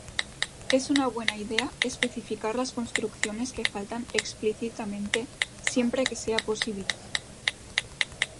Es una buena idea especificar las construcciones que faltan explícitamente siempre que sea posible.